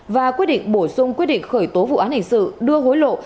và quyết định bổ sung quyết định khởi tố vụ án hình sự đưa hối lộ